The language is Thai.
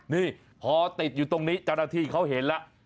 นี่พอติดอยู่ตรงนี้เจ้าหน้าที่เขาเห็นแล้ว